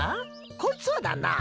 こいつはだなあ。